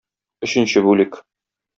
Өченче бүлек.